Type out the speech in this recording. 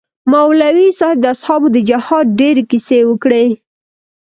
مولوي صاحب د اصحابو د جهاد ډېرې کيسې وکړې.